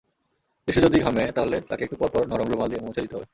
শিশু যদি ঘামে, তাহলে তাকে একটু পরপর নরম রুমাল দিয়ে মুছে দিতে হবে।